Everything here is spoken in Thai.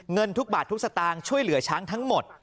เงินทุกบาททุกสตางค์ช่วยเหลือช้างทั้งหมด